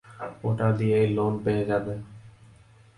ওটা দিয়েই লোন পেয়ে যাবে।